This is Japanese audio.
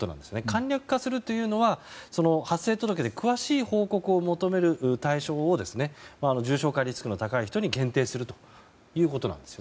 簡略化するというのは、発生届で詳しい報告を求める対象を重症化リスクの高い人に限定するということです。